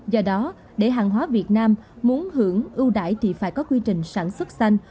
do đó để hàng hóa việt nam muốn hưởng ưu đại thì phải có quy trình sản xuất xanh